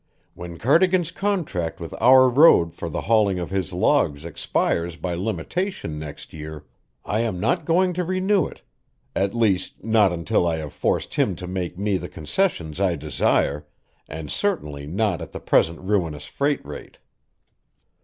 When Cardigan's contract with our road for the hauling of his logs expires by limitation next year, I am not going to renew it at least not until I have forced him to make me the concessions I desire, and certainly not at the present ruinous freight rate."